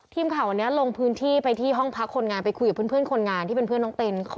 ทีมข่าววันนี้ลงพื้นที่ไปที่ห้องพักคนงานไปคุยกับเพื่อนคนงานที่เป็นเพื่อนน้องเต้น